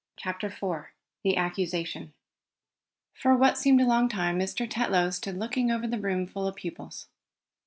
CHAPTER IV THE ACCUSATION For what seemed a long time Mr. Tetlow stood looking over the room full of pupils.